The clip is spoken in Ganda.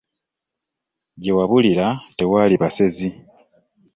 Gyewabulira tewali basezi.